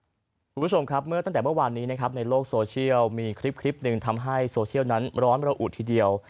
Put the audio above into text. คุณผู้ชมครับเมื่อตั้งแต่เมื่อวานนี้นะครับในโลกโซเชียลมีคลิปหนึ่งทำให้โซเชียลนั้นร้อนระอุทีเดียว